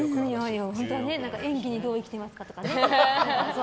本当は演技にどう生きてますかとかいるの？